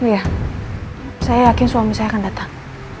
saya yakin suami saya akan datang